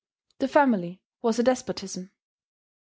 The family was a despotism.